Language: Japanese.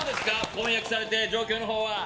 婚約されて状況のほうは？